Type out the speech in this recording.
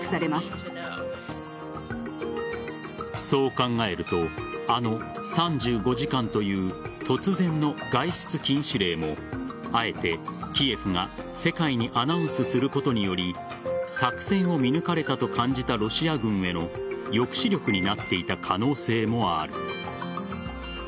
そう考えるとあの３５時間という突然の外出禁止令もあえてキエフが世界にアナウンスすることにより作戦を見抜かれたと感じたロシア軍への抑止力になっていた可能性もある。